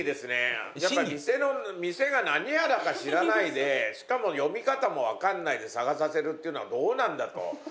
やっぱ店が何屋だか知らないでしかも読み方もわかんないで探させるっていうのはどうなんだと。